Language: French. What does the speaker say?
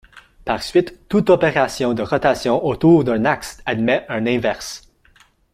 Par suite, toute opération de rotation autour d'un axe admet un inverse.